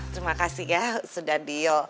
terima kasih ya sudah deal